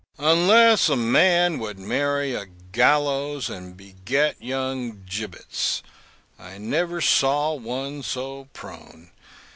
Unless a man would marry a gallows and beget young gibbets, I never saw one so prone.